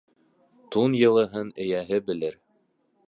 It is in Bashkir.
Тун йылыһын эйәһе белер.